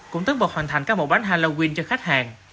cũng tất bọt hoàn thành các bộ bánh halloween cho khách hàng